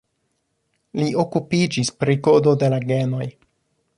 Li okupiĝis pri kodo de la genoj.